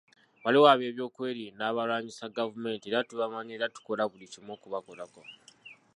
Waliwo ab'ebyokwerinda abalwanyisa gavumenti era tubamanyi era tukola buli kimu okubakolako.